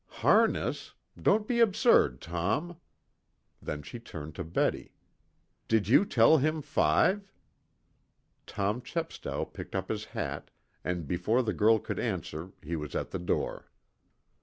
"Harness? Don't be absurd, Tom." Then she turned to Betty. "Did you tell him five?" Tom Chepstow picked up his hat, and before the girl could answer he was at the door.